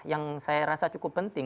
yang saya rasa cukup penting